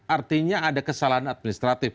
artinya ada kesalahan administratif